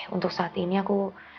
untuk saat ini aku